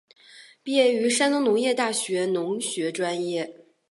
毕业于山东农业大学农学专业。